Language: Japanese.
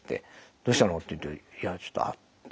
「どうしたの？」っていって「いやちょっと頭痛くて」って。